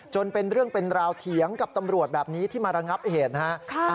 เป็นเรื่องเป็นราวเถียงกับตำรวจแบบนี้ที่มาระงับเหตุนะฮะ